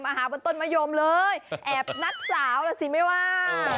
หาบนต้นมะยมเลยแอบนัดสาวล่ะสิไม่ว่า